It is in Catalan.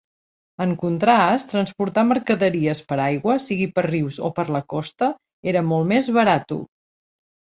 En contrast, transportar mercaderies per aigua, sigui per rius o per la costa, era molt més barato.